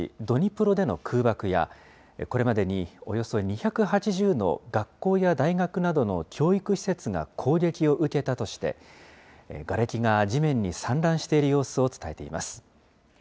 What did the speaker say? ドニプロでの空爆や、これまでにおよそ２８０の学校や大学などの教育施設が攻撃を受けたとして、がれきが地面に散乱している様子を伝えています。